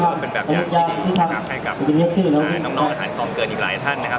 แล้วก็จะเป็นแบบอย่างที่ดีให้กับน้องอาหารความเกิดอีกหลายท่านนะคะ